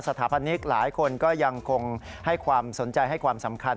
ถาพนิกหลายคนก็ยังคงให้ความสนใจให้ความสำคัญ